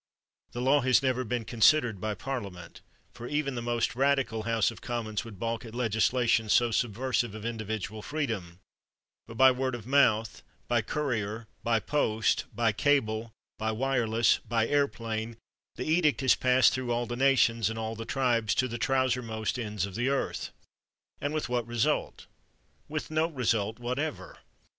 The law has never been considered by Parliament, for even the most radical House of Commons would balk at legislation so subversive of individual freedom, but by word of mouth, by courier, by post, by cable, by wireless, by airplane the edict has passed through all the nations and all the tribes to the trousermost ends of the earth. And with what result? With no result whatever.